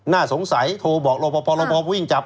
น่าสงสัยโทรบอกโรครพอโรครพอวิ่งจับ